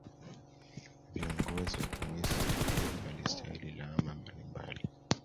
Viongozi wa kanisa katoliki walistahili lawama mbalimbali